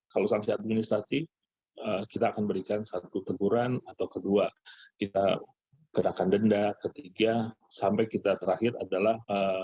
kalau sanksi administratif kita akan berikan satu teguran atau kedua kita kenakan denda ketiga sampai kita terakhir adalah